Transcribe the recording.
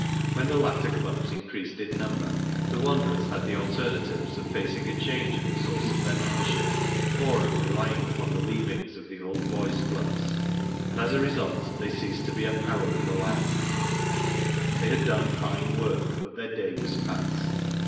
When the latter clubs increased in number the Wanderers had the alternatives of facing a change in the source of their membership or of relying upon the leavings of the Old Boys’ dubs ; and as a result they ceased to be a power in the land ‚ÄĒ they had done fine work, but their day was passed.